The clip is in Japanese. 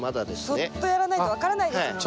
そっとやらないと分からないですもんね。